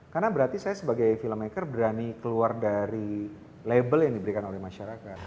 karena berarti saya sebagai filmmaker berani keluar dari label yang diberikan oleh masyarakat